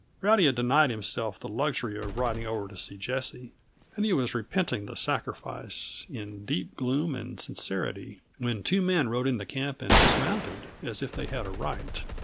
Rowdy had denied himself the luxury of riding over to see Jessie, and he was repenting the sacrifice in deep gloom and sincerity, when two men rode into camp and dismounted, as if they had a right.